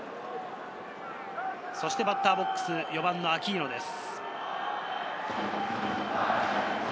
そしてバッターボックス、４番・アキーノです。